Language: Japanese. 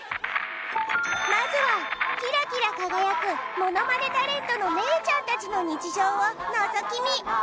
まずはキラキラ輝くものまねタレントのメイちゃんたちの日常をのぞき見。